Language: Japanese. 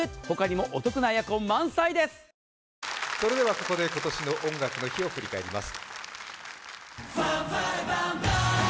ここで今年の「音楽の日」を振り返ります。